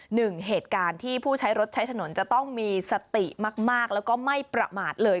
หนึ่งเหตุการณ์ที่ผู้ใช้รถใช้ถนนจะต้องมีสติมากแล้วก็ไม่ประมาทเลย